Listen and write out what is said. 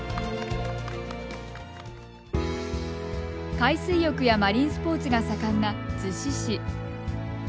海水浴やマリンスポーツが盛んな逗子市。